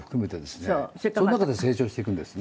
その中で成長していくんですね。